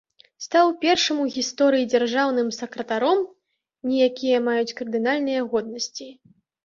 Стаў першым у гісторыі дзяржаўным сакратаром, не якія маюць кардынальскай годнасці.